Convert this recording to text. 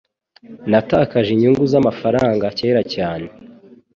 Natakaje inyungu zamafaranga kera cyane.